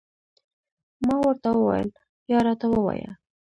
ما ورته وویل، یا راته ووایه.